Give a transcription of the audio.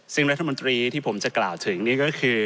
ซึ่งรัฐมนตรีที่ผมจะกล่าวถึงนี่ก็คือ